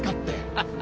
ハハハ。